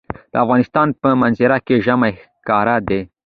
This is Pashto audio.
د افغانستان په منظره کې ژمی ښکاره ده.